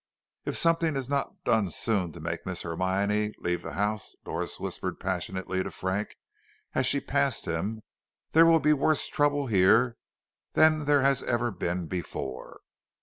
"If something is not soon done to make Miss Hermione leave the house," Doris whispered passionately to Frank as she passed him, "there will be worse trouble here than there has ever been before."